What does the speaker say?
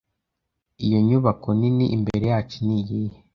Iyo nyubako nini imbere yacu niyihe?